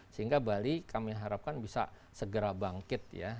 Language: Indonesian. sehingga bali kami harapkan bisa segera bangkit ya